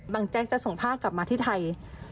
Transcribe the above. แจ๊กจะส่งผ้ากลับมาที่ไทย